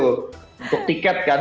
untuk tiket kan